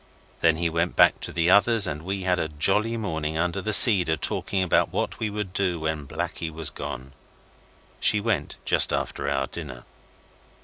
Then he went back to the others, and we had a jolly morning under the cedar talking about what we would do when Blakie was gone. She went just after our dinner.